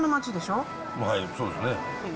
そうですね。